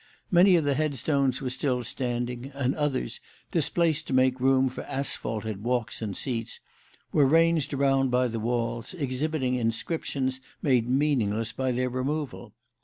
Many of the headstones were still standing, and others, displaced to make room for asphalted walks and seats, were ranged around by the walls, exhibiting inscriptions made meaningless by their removal.